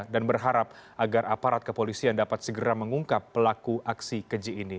dan berharap agar aparat kepolisian dapat segera mengungkap pelaku aksi keji ini